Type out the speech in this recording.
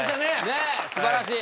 ねえすばらしい！